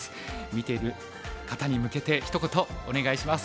見ている方に向けてひと言お願いします。